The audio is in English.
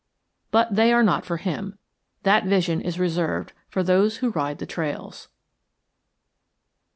But they are not for him. That vision is reserved for those who ride the trails.